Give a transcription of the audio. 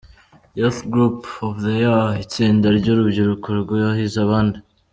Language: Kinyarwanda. Youth group of the year: Itsinda ry’urubyiruko rwahize abandi.